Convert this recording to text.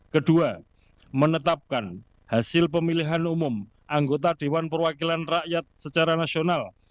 kedua menetapkan hasil pemilihan umum anggota dewan perwakilan rakyat secara nasional